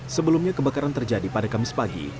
sebelumnya kebakaran terjadi pada kamis pagi